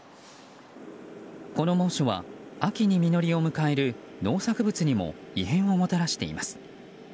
この猛暑は秋に実りを迎える農作物にも異変をもたらしています。